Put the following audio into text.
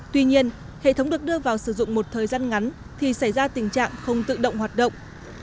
tuy nhiên hệ thống được đưa vào sử dụng một thời gian ngắn thì xảy ra tình trạng không tự động hoạt động